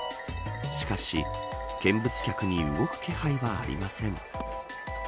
しかし、見物客に動く気配はありません。